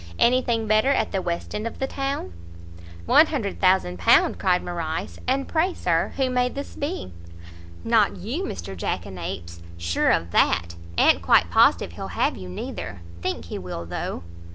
any thing better at the west end of the town?" "£100,000!" cried Morrice, "and pray, Sir, who may this be?" "Not you, Mr jackanapes! sure of that. A'n't quite positive he'll have you, neither. Think he will, though."